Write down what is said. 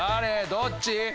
どっち？